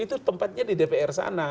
itu tempatnya di dpr sana